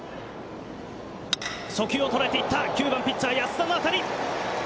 初球を捉えていった９番ピッチャー安田の当たり。